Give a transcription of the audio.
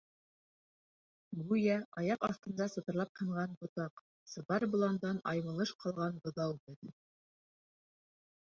Гүйә аяҡ аҫтында сатырлап һынған ботаҡ, сыбар боландан аймылыш ҡалған быҙау беҙ.